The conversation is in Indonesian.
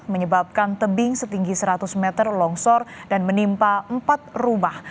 menyebabkan tebing setinggi seratus meter longsor dan menimpa empat rumah